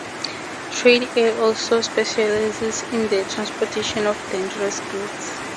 Trade Air also specialises in the transportation of dangerous goods.